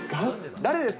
誰ですか？